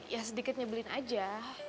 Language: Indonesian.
ya sedikit nyebelin aja